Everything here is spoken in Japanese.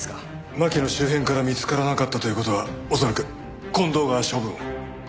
巻の周辺から見つからなかったという事は恐らく近藤が処分を。